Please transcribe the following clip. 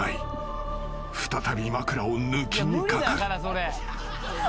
［再び枕を抜きにかかる］